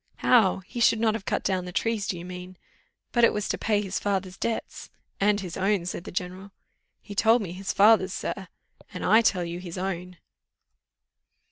"How? he should not have cut down the trees, do you mean? but it was to pay his father's debts " "And his own," said the general. "He told me his father's, sir." "And I tell you his own."